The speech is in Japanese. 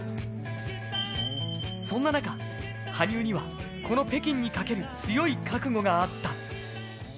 そんな中羽生にはこの北京にかける強い覚悟があった。